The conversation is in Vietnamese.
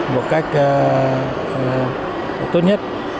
một cách tốt nhất